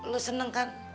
lu seneng kan